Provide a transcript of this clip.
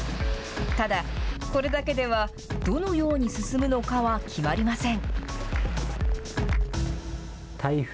ただ、これだけではどのように進むのかは決まりません。